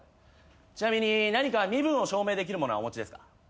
ちなみに何か身分を証明できるものはお持ちですか？